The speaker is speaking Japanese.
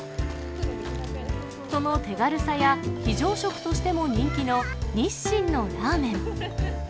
その手軽さや非常食としても人気の日清のラーメン。